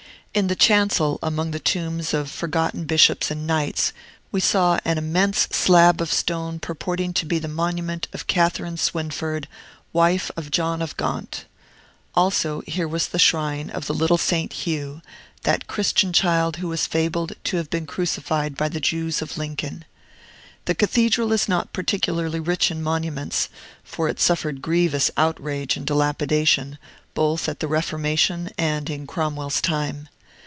In the chancel, among the tombs of forgotten bishops and knights, we saw an immense slab of stone purporting to be the monument of Catherine Swynford, wife of John of Gaunt; also, here was the shrine of the little Saint Hugh, that Christian child who was fabled to have been crucified by the Jews of Lincoln. The Cathedral is not particularly rich in monuments; for it suffered grievous outrage and dilapidation, both at the Reformation and in Cromwell's time.